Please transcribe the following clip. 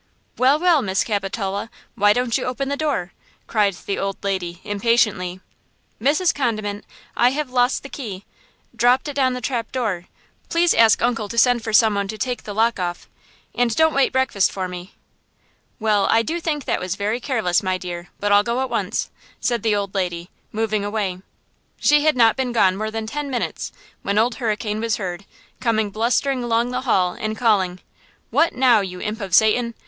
"Well–well–Miss Capitola, why don't you open the door?" cried the old lady, impatiently. "Mrs. Condiment, I have lost the key–dropped it down the trap door. Please ask uncle to send for some one to take the lock off–and don't wait breakfast for me." "Well, I do think that was very careless, my dear; but I'll go at once," said the old lady, moving away. She had not been gone more than ten minutes, when Old Hurricane was heard, coming blustering along the hall and calling: "What now, you imp of Satan?